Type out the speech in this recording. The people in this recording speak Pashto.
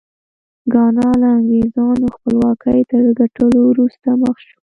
ګانا له انګرېزانو خپلواکۍ تر ګټلو وروسته مخ شو.